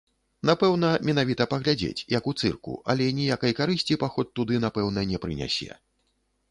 Напэўна, менавіта паглядзець, як у цырку, але ніякай карысці паход туды, напэўна, не прынясе.